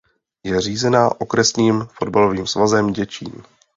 Je řízena Okresním fotbalovým svazem Děčín.